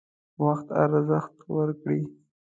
وخت ارزښت ورکړئ